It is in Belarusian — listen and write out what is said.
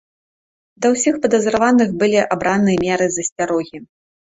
Для ўсіх падазраваных былі абраныя меры засцярогі.